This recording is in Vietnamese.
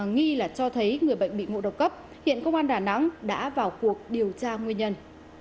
nghi là cho thấy người bệnh bị ngộ độc cấp hiện công an đà nẵng đã vào cuộc điều tra nguyên nhân